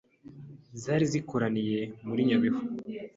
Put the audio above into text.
zari zikoraniye muri Nyabihu